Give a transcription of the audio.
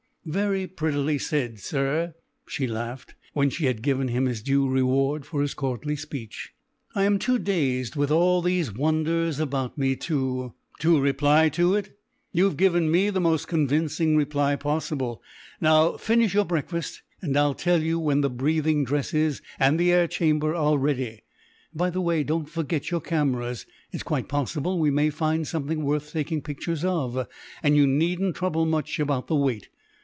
"Very prettily said, sir!" she laughed, when she had given him his due reward for his courtly speech. "I am too dazed with all these wonders about me to " "To reply to it? You've given me the most convincing reply possible. Now finish your breakfast, and I'll tell you when the breathing dresses and the air chamber are ready. By the way, don't forget your cameras. It's quite possible we may find something worth taking pictures of, and you needn't trouble much about the weight.